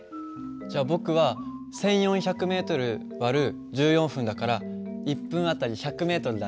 じゃあ僕は１，４００ｍ÷１４分だから１分あたり１００ｍだね。